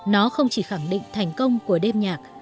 nó không chỉ khẳng định thành công của đêm nhạc